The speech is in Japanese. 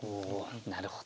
なるほど。